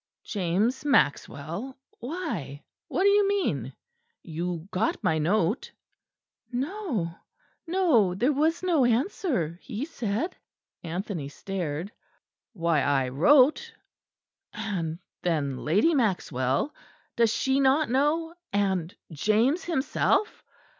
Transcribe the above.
"James Maxwell! Why? What do you mean? You got my note!" "No no. There was no answer, he said." Anthony stared. "Why, I wrote and then Lady Maxwell! Does she not know, and James himself?"